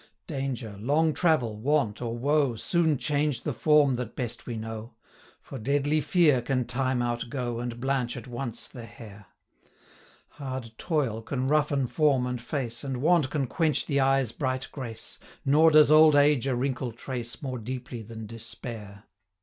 Danger, long travel, want, or woe, Soon change the form that best we know For deadly fear can time outgo, 490 And blanch at once the hair; Hard toil can roughen form and face, And want can quench the eye's bright grace, Nor does old age a wrinkle trace More deeply than despair.